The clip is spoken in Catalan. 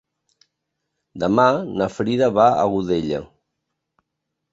Demà na Frida va a Godella.